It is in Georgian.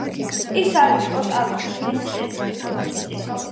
ის არის ოტავის უნივერსიტეტის ეკონომისტი პროფესორი.